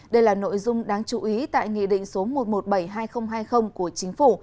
đây là nội dung đáng chú ý tại nghị định số một triệu một trăm bảy mươi hai nghìn hai mươi của chính phủ